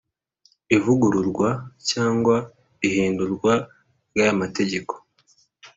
Ivugururwa cyangwa ihindurwa ry aya mategeko